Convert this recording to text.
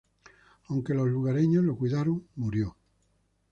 Aunque los lugareños lo cuidaron, murió.